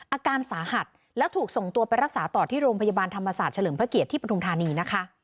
อาการสาหัสแล้วถูกส่งตัวไปรักษาต่อที่โรงพยาบาลธรรมศาสตร์เฉลิมพระเกียรติที่ปฐุมธานีนะคะ